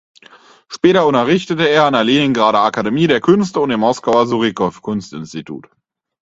Später unterrichtete er an der Leningrader Akademie der Künste und dem Moskauer Surikow-Kunstinstitut.